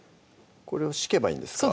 これを敷けばいいんですか？